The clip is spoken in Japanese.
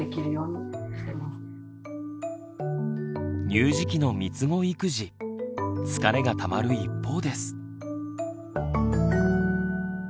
乳児期のみつご育児疲れがたまる一方です。